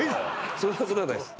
そんなことはないです